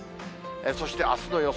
そしてあすの予想